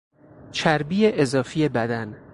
چربی اضافی بدن